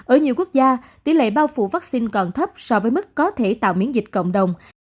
ở nhiều quốc gia tỷ lệ bao phủ vaccine còn thấp so với mức có thể tạo miễn dịch cộng đồng